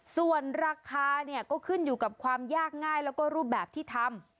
ส่วนราคาเนี่ยก็ขึ้นอยู่กับความยากง่ายแล้วก็รูปแบบที่ทำ